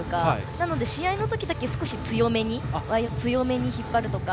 なので試合の時だけ少し強めに引っ張るとか。